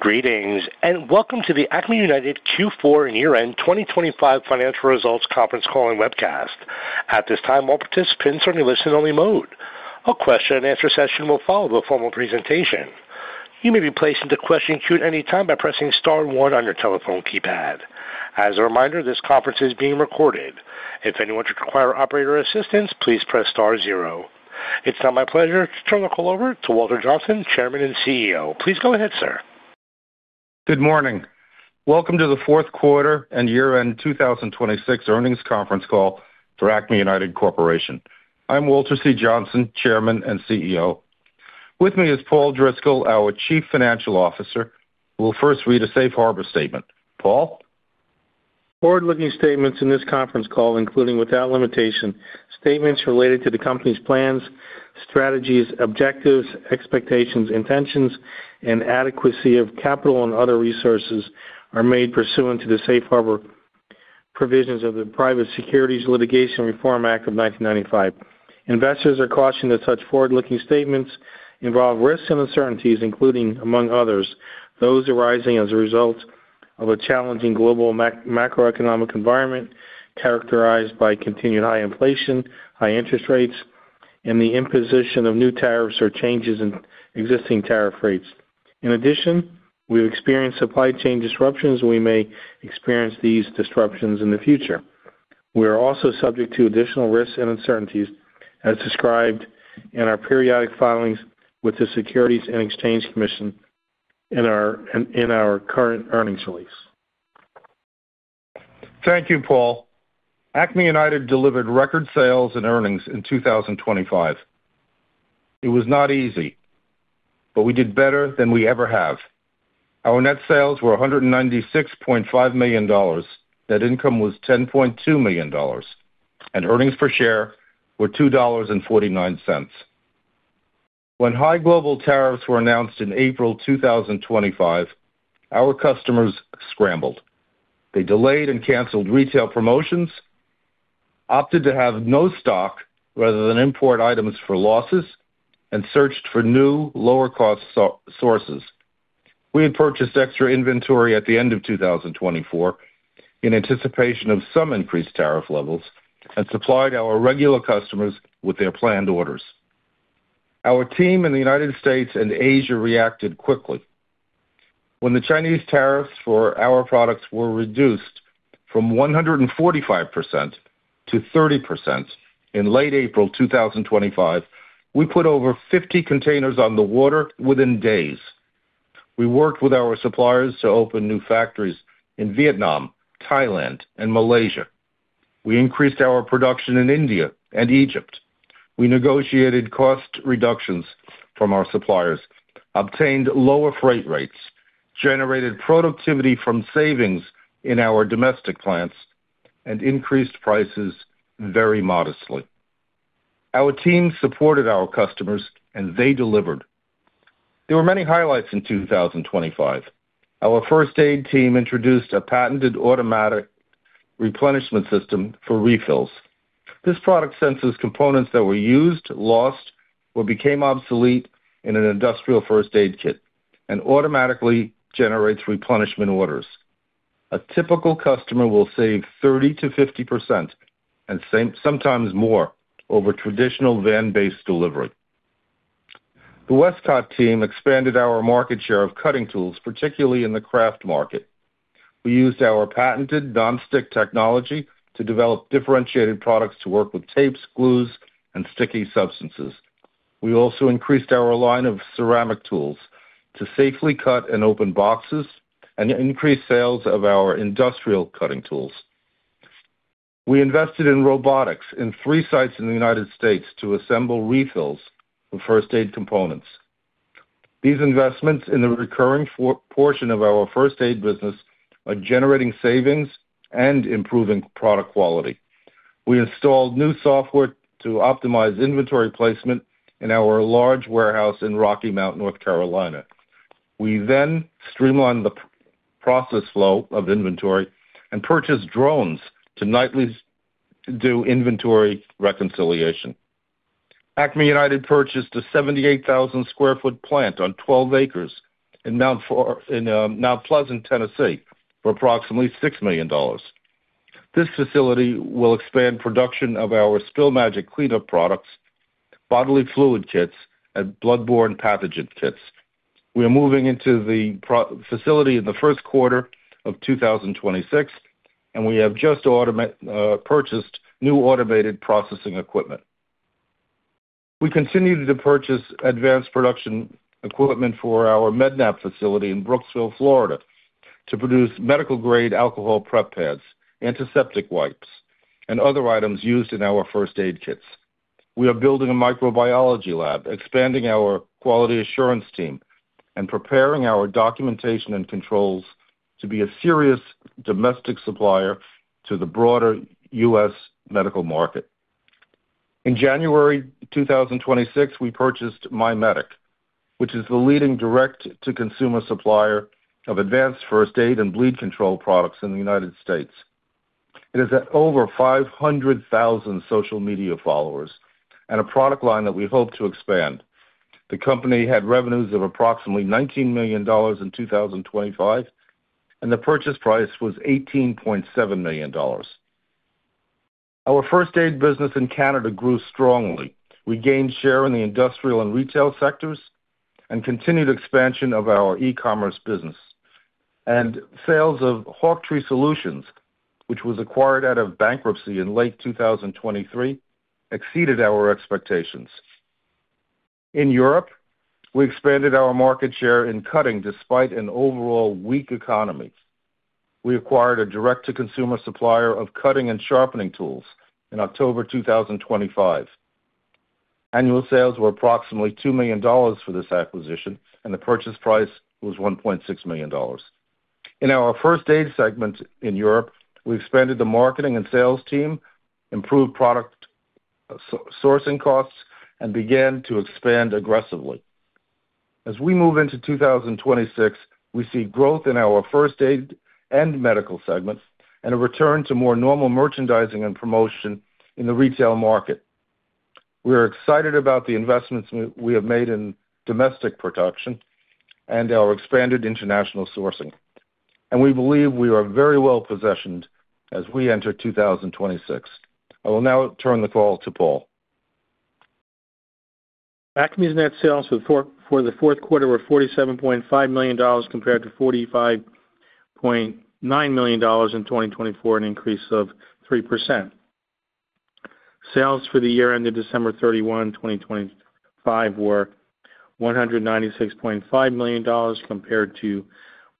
Greetings. Welcome to the Acme United Q4 and Year-End 2025 Financial Results Conference Calling Webcast. At this time, all participants are in a listen-only mode. A question-and-answer session will follow the formal presentation. You may be placed into question queue at any time by pressing star one on your telephone keypad. As a reminder, this conference is being recorded. If anyone should require operator assistance, please press star zero. It's now my pleasure to turn the call over to Walter Johnsen, Chairman and CEO. Please go ahead, sir. Good morning. Welcome to the fourth quarter and year-end 2026 earnings conference call for Acme United Corporation. I'm Walter C. Johnsen, Chairman and CEO. With me is Paul Driscoll, our Chief Financial Officer, who will first read a safe harbor statement. Paul? Forward-looking statements in this conference call, including, without limitation, statements related to the company's plans, strategies, objectives, expectations, intentions, and adequacy of capital and other resources, are made pursuant to the safe harbor provisions of the Private Securities Litigation Reform Act of 1995. Investors are cautioned that such forward-looking statements involve risks and uncertainties, including, among others, those arising as a result of a challenging global macroeconomic environment characterized by continued high inflation, high interest rates, and the imposition of new tariffs or changes in existing tariff rates. In addition, we've experienced supply chain disruptions, and we may experience these disruptions in the future. We are also subject to additional risks and uncertainties as described in our periodic filings with the Securities and Exchange Commission in our current earnings release. Thank you, Paul. Acme United delivered record sales and earnings in 2025. It was not easy, but we did better than we ever have. Our net sales were $196.5 million, net income was $10.2 million, and earnings per share were $2.49. When high global tariffs were announced in April 2025, our customers scrambled. They delayed and canceled retail promotions, opted to have no stock rather than import items for losses, and searched for new, lower-cost sources. We had purchased extra inventory at the end of 2024 in anticipation of some increased tariff levels and supplied our regular customers with their planned orders. Our team in the United States and Asia reacted quickly. When the Chinese tariffs for our products were reduced from 145%-30% in late April 2025, we put over 50 containers on the water within days. We worked with our suppliers to open new factories in Vietnam, Thailand, and Malaysia. We increased our production in India and Egypt. We negotiated cost reductions from our suppliers, obtained lower freight rates, generated productivity from savings in our domestic plants, and increased prices very modestly. Our team supported our customers, and they delivered. There were many highlights in 2025. Our first aid team introduced a patented automatic replenishment system for refills. This product senses components that were used, lost, or became obsolete in an industrial first aid kit and automatically generates replenishment orders. A typical customer will save 30%-50%, and sometimes more, over traditional van-based delivery. The Westcott team expanded our market share of cutting tools, particularly in the craft market. We used our patented non-stick technology to develop differentiated products to work with tapes, glues, and sticky substances. We increased our line of ceramic tools to safely cut and open boxes and increased sales of our industrial cutting tools. We invested in robotics in three sites in the United States to assemble refills for first aid components. These investments in the recurring portion of our first aid business are generating savings and improving product quality. We installed new software to optimize inventory placement in our large warehouse in Rocky Mount, North Carolina. We streamlined the process flow of inventory and purchased drones to nightly do inventory reconciliation. Acme United purchased a 78,000 sq ft plant on 12 acres in Mt. Pleasant, Tennessee, for approximately $6 million. This facility will expand production of our Spill Magic Cleanup products, Bodily Fluid Kits, and Bloodborne Pathogen Kits. We are moving into the facility in the first quarter of 2026, and we have just purchased new automated processing equipment. We continued to purchase advanced production equipment for our Med-Nap facility in Brooksville, Florida, to produce medical-grade alcohol prep pads, antiseptic wipes, and other items used in our first aid kits. We are building a microbiology lab, expanding our quality assurance team, and preparing our documentation and controls to be a serious domestic supplier to the broader U.S. medical market. In January 2026, we purchased My Medic, which is the leading direct-to-consumer supplier of advanced first aid and bleed control products in the United States. It is at over 500,000 social media followers and a product line that we hope to expand. The company had revenues of approximately $19 million in 2025. The purchase price was $18.7 million. Our first aid business in Canada grew strongly. We gained share in the industrial and retail sectors and continued expansion of our e-commerce business. Sales of Hawktree Solutions, which was acquired out of bankruptcy in late 2023, exceeded our expectations. In Europe, we expanded our market share in cutting, despite an overall weak economy. We acquired a direct-to-consumer supplier of cutting and sharpening tools in October 2025. Annual sales were approximately $2 million for this acquisition. The purchase price was $1.6 million. In our first aid segment in Europe, we expanded the marketing and sales team, improved product sourcing costs, and began to expand aggressively. As we move into 2026, we see growth in our first aid and medical segments and a return to more normal merchandising and promotion in the retail market. We are excited about the investments we have made in domestic production and our expanded international sourcing, and we believe we are very well positioned as we enter 2026. I will now turn the call to Paul. Acme's net sales for the fourth quarter were $47.5 million compared to $45.9 million in 2024, an increase of 3%. Sales for the year ended December 31st, 2025, were $196.5 million compared to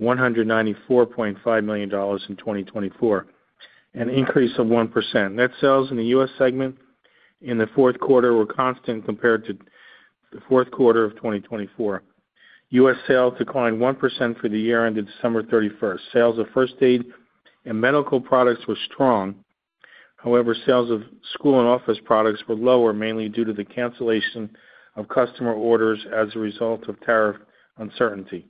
$194.5 million in 2024, an increase of 1%. Net sales in the U.S. segment in the fourth quarter were constant compared to the fourth quarter of 2024. U.S. sales declined 1% for the year ended December 31st. Sales of first aid and medical products were strong. However, sales of school and office products were lower, mainly due to the cancellation of customer orders as a result of tariff uncertainty.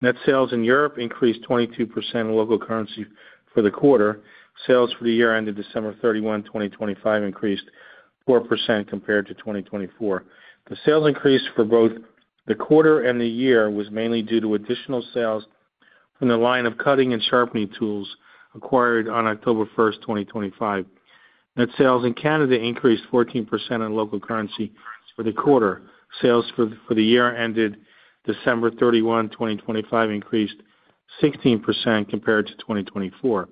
Net sales in Europe increased 22% in local currency for the quarter. Sales for the year ended December 31st, 2025, increased 4% compared to 2024. The sales increase for both the quarter and the year was mainly due to additional sales from the line of cutting and sharpening tools acquired on October 1st, 2025. Net sales in Canada increased 14% in local currency for the quarter. Sales for the year ended December 31st, 2025, increased 16% compared to 2024.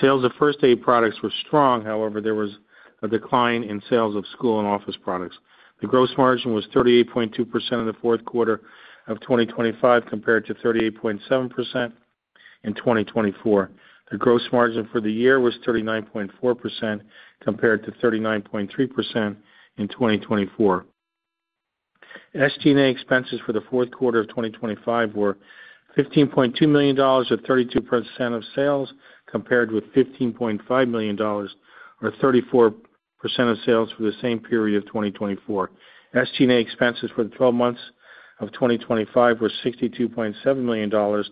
Sales of first aid products were strong. However, there was a decline in sales of school and office products. The gross margin was 38.2% in the fourth quarter of 2025, compared to 38.7% in 2024. The gross margin for the year was 39.4%, compared to 39.3% in 2024. SG&A expenses for the fourth quarter of 2025 were $15.2 million, or 32% of sales, compared with $15.5 million, or 34% of sales for the same period of 2024. SG&A expenses for the 12 months of 2025 were $62.7 million, or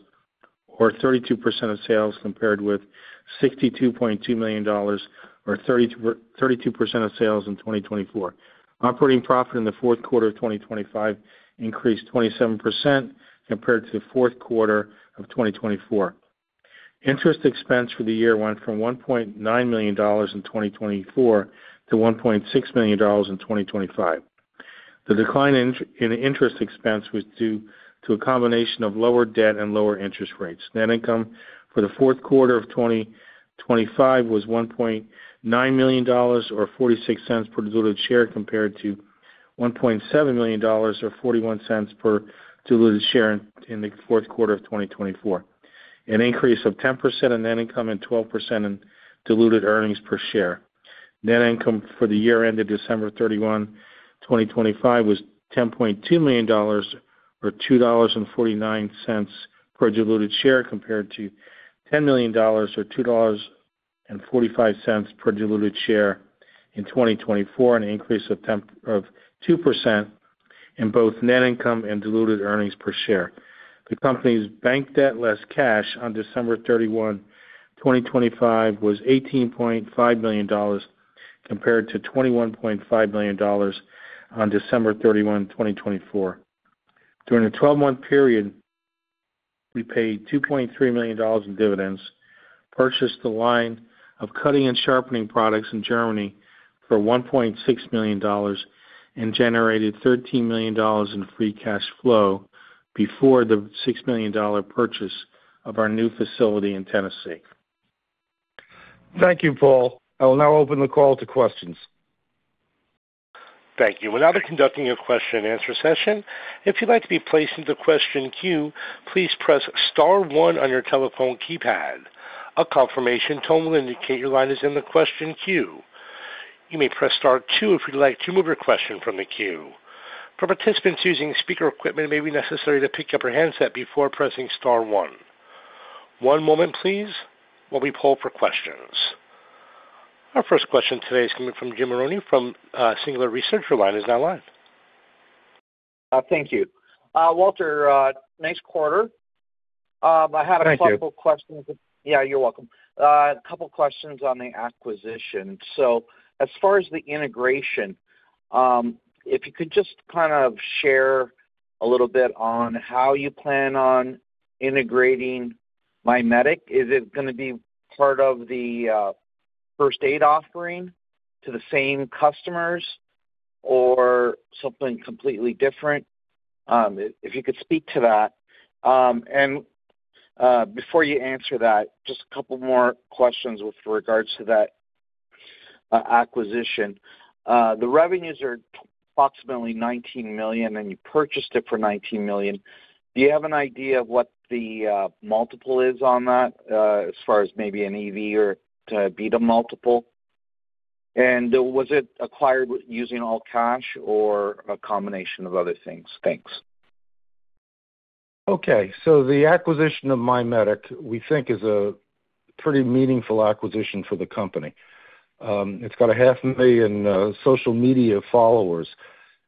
32% of sales, compared with $62.2 million, or 32% of sales in 2024. Operating profit in the fourth quarter of 2025 increased 27% compared to the fourth quarter of 2024. Interest expense for the year went from $1.9 million in 2024 to $1.6 million in 2025. The decline in interest expense was due to a combination of lower debt and lower interest rates. Net income for the fourth quarter of 2025 was $1.9 million, or $0.46 per diluted share, compared to $1.7 million, or $0.41 per diluted share in the fourth quarter of 2024. An increase of 10% in net income and 12% in diluted earnings per share. Net income for the year ended December 31st, 2025, was $10.2 million, or $2.49 per diluted share, compared to $10 million, or $2.45 per diluted share in 2024, an increase of 2% in both net income and diluted earnings per share. The company's bank debt, less cash on December 31st, 2025, was $18.5 million, compared to $21.5 million on December 31st, 2024. During the 12-month period, we paid $2.3 million in dividends, purchased a line of cutting and sharpening products in Germany for $1.6 million, and generated $13 million in free cash flow before the $6 million purchase of our new facility in Tennessee. Thank you, Paul. I will now open the call to questions. Thank you. We'll now be conducting a question-and-answer session. If you'd like to be placed in the question queue, please press star one on your telephone keypad. A confirmation tone will indicate your line is in the question queue. You may press star two if you'd like to remove your question from the queue. For participants using speaker equipment, it may be necessary to pick up your handset before pressing star one. One moment please, while we poll for questions. Our first question today is coming from Jim Marrone from Singular Research. Your line is now live. Thank you. Walter, nice quarter. Thank you. A couple questions. Yeah, you're welcome. A couple questions on the acquisition. As far as the integration, if you could just kind of share a little bit on how you plan on integrating My Medic. Is it gonna be part of the first aid offering to the same customers or something completely different? If you could speak to that. Before you answer that, just a couple more questions with regards to that acquisition. The revenues are approximately $19 million, and you purchased it for $19 million. Do you have an idea of what the multiple is on that, as far as maybe an EV or to EBITDA multiple? Was it acquired using all cash or a combination of other things? Thanks. The acquisition of My Medic, we think, is a pretty meaningful acquisition for the company. It's got a half million social media followers,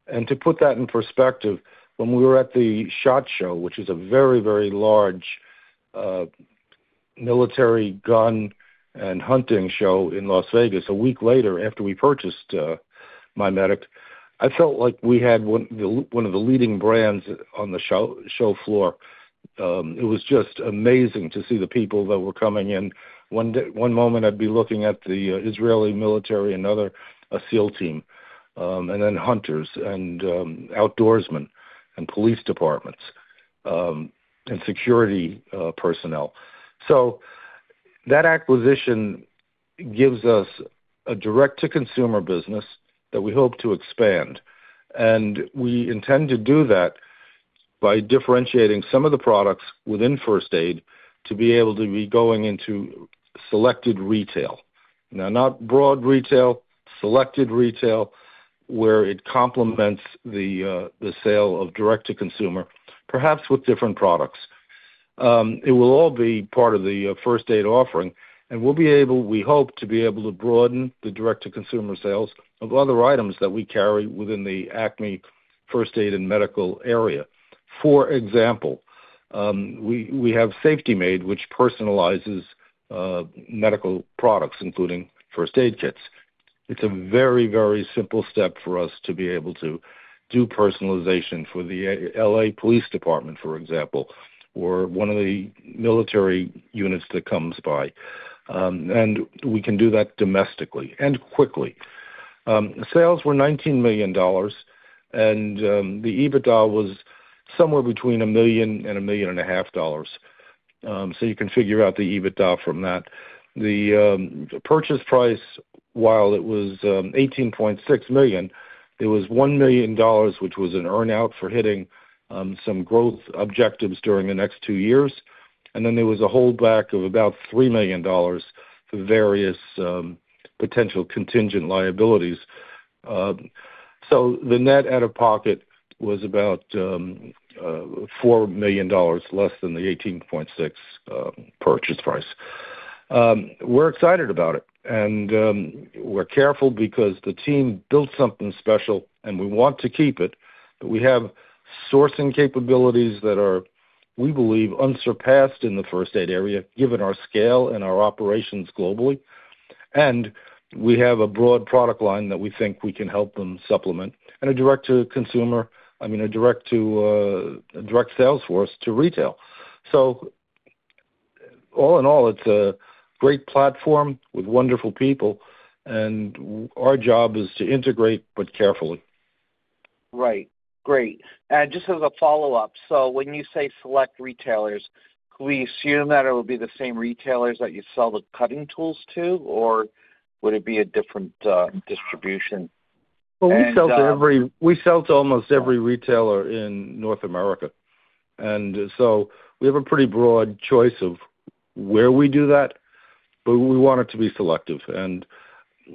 and to put that in perspective, when we were at the SHOT Show, which is a very, very large military, gun, and hunting show in Las Vegas, a week later, after we purchased My Medic, I felt like we had one of the leading brands on the show floor. It was just amazing to see the people that were coming in. One moment, I'd be looking at the Israeli military, another, a seal team, and then hunters and outdoorsmen and police departments and security personnel. That acquisition gives us a direct-to-consumer business that we hope to expand, and we intend to do that by differentiating some of the products within first aid to be able to be going into selected retail. Now, not broad retail, selected retail, where it complements the sale of direct-to-consumer, perhaps with different products. It will all be part of the first aid offering, and we'll be able, we hope, to be able to broaden the direct-to-consumer sales of other items that we carry within the Acme first aid and medical area. For example, we have SafetyMade, which personalizes medical products, including first aid kits. It's a very, very simple step for us to be able to do personalization for the L.A. Police Department, for example, or one of the military units that comes by. We can do that domestically and quickly. Sales were $19 million, and the EBITDA was somewhere between $1 million and $1.5 million. You can figure out the EBITDA from that. The purchase price, while it was $18.6 million, there was $1 million, which was an earn-out for hitting some growth objectives during the next two years. There was a holdback of about $3 million for various potential contingent liabilities. The net out-of-pocket was about $4 million, less than the $18.6 purchase price. We're excited about it, and we're careful because the team built something special, and we want to keep it. We have sourcing capabilities that are, we believe, unsurpassed in the first aid area, given our scale and our operations globally. We have a broad product line that we think we can help them supplement, and a direct-to-consumer. I mean, a direct to a direct sales force to retail. All in all, it's a great platform with wonderful people, and our job is to integrate, but carefully. Right. Great. Just as a follow-up, when you say select retailers, can we assume that it will be the same retailers that you sell the cutting tools to, or would it be a different distribution? Well, we sell to almost every retailer in North America, and so we have a pretty broad choice of where we do that, but we want it to be selective, and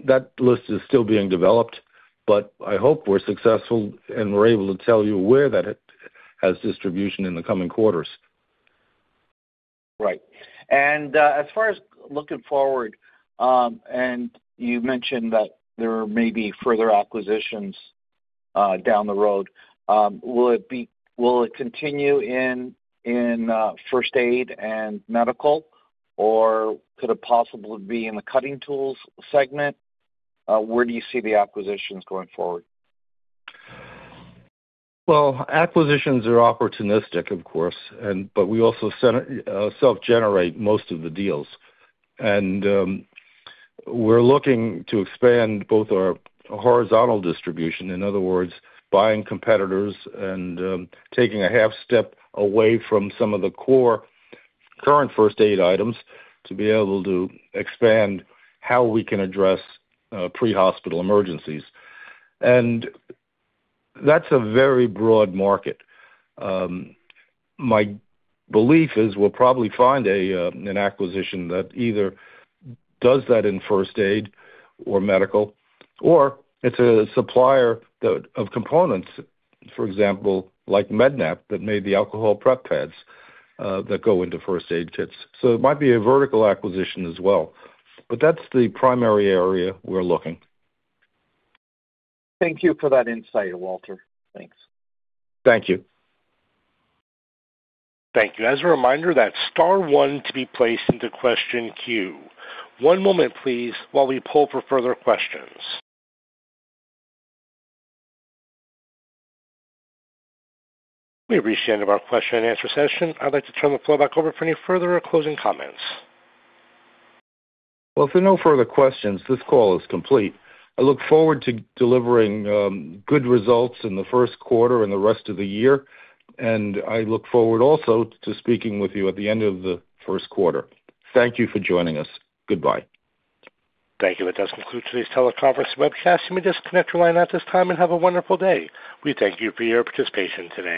that list is still being developed, but I hope we're successful, and we're able to tell you where that it has distribution in the coming quarters. Right. As far as looking forward, and you mentioned that there may be further acquisitions down the road. Will it continue in first aid and medical, or could it possibly be in the cutting tools segment? Where do you see the acquisitions going forward? Acquisitions are opportunistic, of course, and, but we also center self-generate most of the deals. We're looking to expand both our horizontal distribution, in other words, buying competitors and taking a half step away from some of the core current first aid items to be able to expand how we can address pre-hospital emergencies. That's a very broad market. My belief is we'll probably find an acquisition that either does that in first aid or medical, or it's a supplier that, of components, for example, like Med-Nap, that made the alcohol prep pads that go into first aid kits. It might be a vertical acquisition as well, but that's the primary area we're looking. Thank you for that insight, Walter. Thanks. Thank you. Thank you. As a reminder, that's star one to be placed into question queue. One moment, please, while we pull for further questions. We've reached the end of our question and answer session. I'd like to turn the floor back over for any further closing comments. Well, if there are no further questions, this call is complete. I look forward to delivering good results in the first quarter and the rest of the year. I look forward also to speaking with you at the end of the first quarter. Thank you for joining us. Goodbye. Thank you. That does conclude today's teleconference webcast. You may disconnect your line at this time and have a wonderful day. We thank you for your participation today.